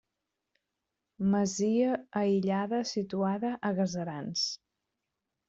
Masia aïllada situada a Gaserans.